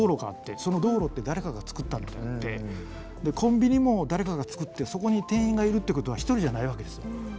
その道路って誰かがつくったのとかってコンビニも誰かがつくってそこに店員がいるってことは一人じゃないわけですよ。